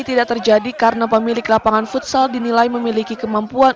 tidak terjadi karena pemilik lapangan futsal dinilai memiliki kemampuan